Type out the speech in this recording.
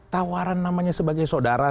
tawaran namanya sebagai saudara